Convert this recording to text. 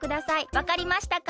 わかりましたか？